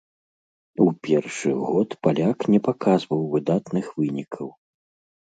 У першы год паляк не паказваў выдатных вынікаў.